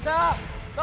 kita harus hidup